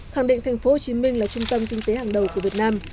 khẳng định tp hcm là trung tâm kinh tế hàng đầu của việt nam